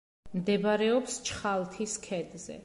მდებარეობს ჩხალთის ქედზე.